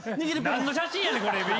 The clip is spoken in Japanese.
何の写真やねん！